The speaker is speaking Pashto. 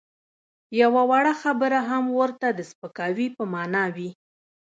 یوه وړه خبره هم ورته د سپکاوي په مانا وي.